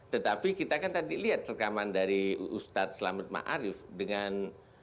tetapi kita kan tadi lihat rekaman dari ustadz selamat ma'arif dengan